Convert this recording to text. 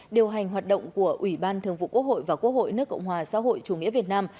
điều hành hoạt động của ủy ban thường vụ quốc hội và quốc hội nước cộng hòa xã hội chủ nghĩa việt nam